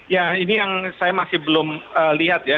ya ini yang saya masih belum lihat ya